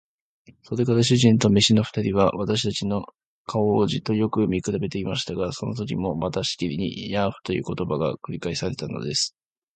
それから主人と召使の二人は、私たちの顔をじっとよく見くらべていましたが、そのときもまたしきりに「ヤーフ」という言葉が繰り返されたのです。